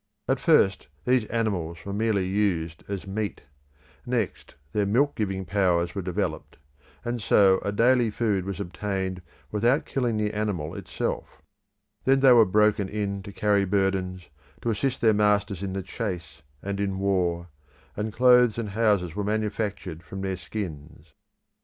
At first these animals were merely used as meat; next, their milk giving powers were developed, and so a daily food was obtained without killing the animal itself; then they were broken in to carry burdens, to assist their masters in the chase and in war; and clothes and houses were manufactured from their skins.